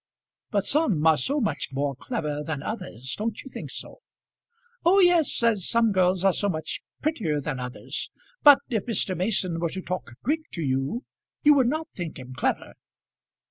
"But some are so much more clever than others. Don't you think so?" "Oh yes, as some girls are so much prettier than others. But if Mr. Mason were to talk Greek to you, you would not think him clever."